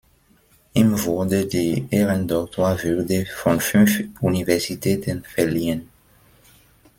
Ihm wurde die Ehrendoktorwürde von fünf Universitäten verliehen.